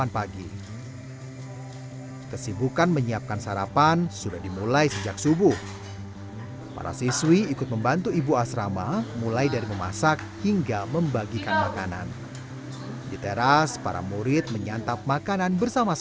pembelajaran multikultural juga berlangsung di luar jam sekolah